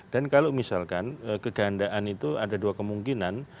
dan kalau misalkan kegandaan itu ada dua kemungkinan